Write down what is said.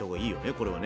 これはね。